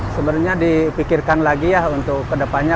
sebenarnya dipikirkan lagi ya untuk kedepannya